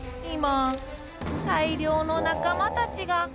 「今大量の仲間達が」